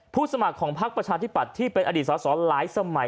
สมัครของพักประชาธิปัตย์ที่เป็นอดีตสอสอหลายสมัย